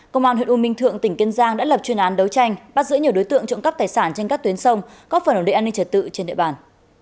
công an huyện u minh thượng tỉnh kiên giang đã lập chuyên án đấu tranh bắt giữ nhiều đối tượng trộm cắp tài sản trên các tuyến sông góp phần ổn định an ninh trật tự trên địa bàn